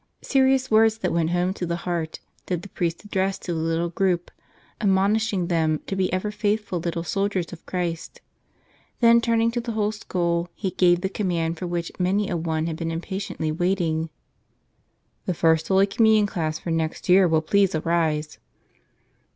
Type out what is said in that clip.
Serious words that went home to the heart did the priest address to the little group, admonishing them to be ever faithful little soldiers of Christ. Then, turning to the whole school, he gave the command for which many a one had been impatiently waiting: "The First Holy Communion class for next year will please arise!"